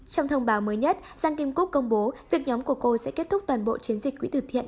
trong thông báo mới nhất giang kim cúc công bố việc nhóm của cô sẽ kết thúc toàn bộ chiến dịch quỹ từ thiện